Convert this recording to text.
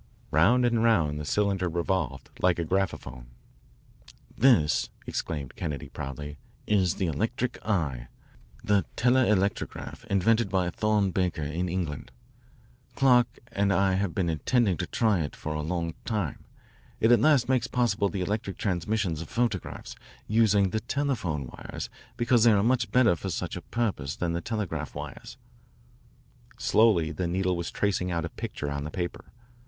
Round and round the cylinder revolved like a graphophone. "This," exclaimed Kennedy proudly, "is the 'electric eye,' the telelectrograph invented by Thorne Baker in England. Clark and I have been intending to try it out for a long time. It at last makes possible the electric transmission of photographs, using the telephone wires because they are much better for such a purpose than the telegraph wires. Slowly the needle was tracing out a picture on the paper.